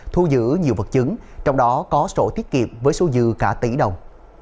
thu giữ nhiều vật chứng trong đó có sổ tiết kiệm với số dư cả tỷ đồng